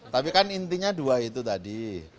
tapi kan intinya dua itu tadi